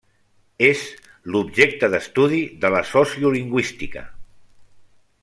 És l'objecte d'estudi de la sociolingüística.